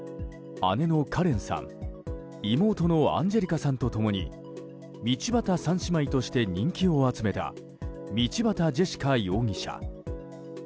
姉のカレンさん妹のアンジェリカさんと共に道端三姉妹として人気を集めた道端ジェシカ容疑者。